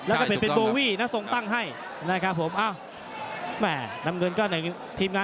แล้วก็เป็นบันโบวี่ทั้งส่งให้ในที่ค่ะ